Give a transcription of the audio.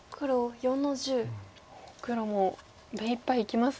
黒も目いっぱいいきますね。